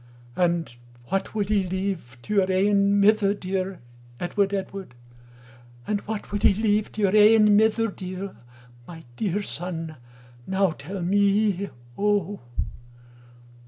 "And what wul ye leive to your ain mither deir, Edward, Edward? And what wul ye leive to your ain mither deir? My deir son, now tell me O."